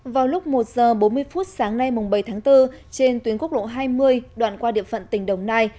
vào lúc một giờ bốn mươi phút sáng nay bảy tháng bốn trên tuyến quốc lộ hai mươi đoạn qua địa phận tỉnh đồng nai